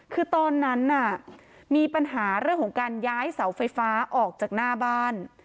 คือตอนนั้นน่ะมีปัญหาเรื่องของการย้ายเสาไฟฟ้าออกจากหน้าบ้าน